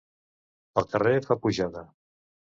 El carrer fa pujada.